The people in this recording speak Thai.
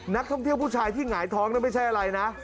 นักท่องเที่ยวผู้ชายที่หงายท้องไม่ใช่อะไรนะ